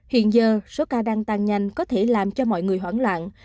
hiện giờ số ca đang tăng nhanh có thể làm cho mọi người hoảng loạn